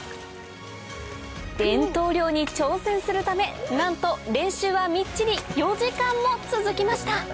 伝統漁に挑戦するためなんと練習はみっちり４時間も続きました